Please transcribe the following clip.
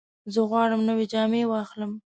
زه غواړم نوې جامې واخلم.